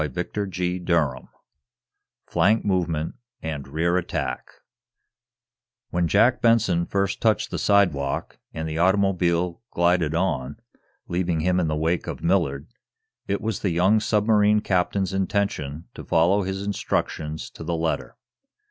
CHAPTER VI FLANK MOVEMENT AND REAR ATTACK When Jack Benson first touched the sidewalk, and the automobile glided on, leaving him in the wake of Millard, it was the young submarine captain's intention to follow his instructions to the letter.